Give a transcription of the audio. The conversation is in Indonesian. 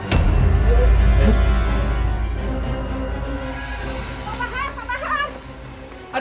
pak pak har pak pak har